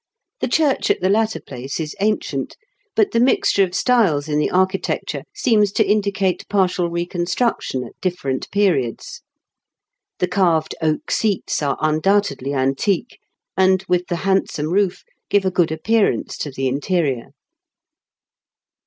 The church at the latter place is ancient, but the mixture of styles in the architecture seems to indicate partial reconstruction at different periods. The carved oak seats are un doubtedly antique, and, with the handsome roof, give a good appearance to the interior.